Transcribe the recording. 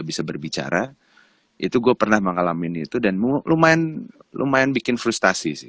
hai itu gua pernah mengalami itu dan cinema lumayan lumayan bikin voice accessibility